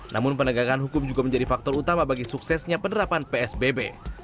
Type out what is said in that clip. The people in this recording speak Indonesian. namun penegakan hukum juga menjadi faktor utama bagi suksesnya penerapan psbb